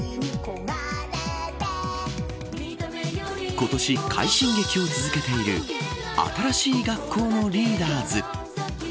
今年、快進撃を続けている新しい学校のリーダーズ。